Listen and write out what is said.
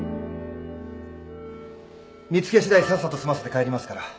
見つけしだいさっさと済ませて帰りますから。